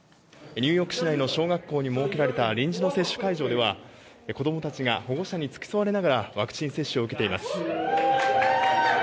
ニューヨーク市内の小学校に設けられた臨時の接種会場では、子供たちが保護者に付き添われながらワクチン接種を受けています。